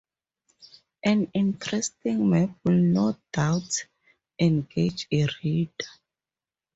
An interesting map will no doubt engage a reader.